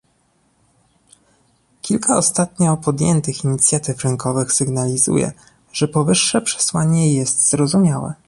Kilka ostatnio podjętych inicjatyw rynkowych sygnalizuje, że powyższe przesłanie jest zrozumiałe